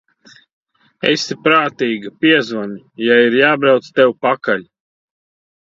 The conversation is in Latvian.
Esi prātīga, piezvani, ja ir jābrauc tev pakaļ.